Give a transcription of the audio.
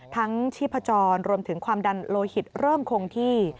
ชีพจรรวมถึงความดันโลหิตเริ่มคงที่